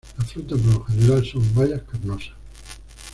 La fruta, por lo general son bayas carnosas.